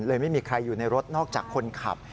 ไม่มีใครอยู่ในรถนอกจากคนขับ